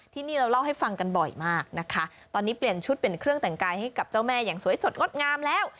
ที่นี่เราเล่าให้ฟังกันบ่อยมากนะคะตอนนี้เปลี่ยนชุดเปลี่ยนเครื่องแต่งกายให้กับเจ้าแม่อย่างสวยสดงดงามแล้ว